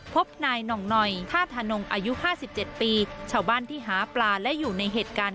พบนายนองนอยท่าทานงอายุห้าสิบเจ็ดปีเฉาบ้านที่หาปลาและอยู่ในเหตุการณ์